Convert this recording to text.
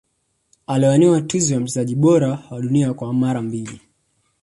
aliwania tuzo ya mchezaji bora wa dunia kwa mara mbili